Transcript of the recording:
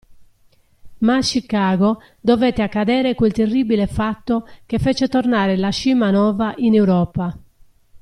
Ma a Chicago dovette accadere quel terribile fatto che fece tornare la Scimanova in Europa.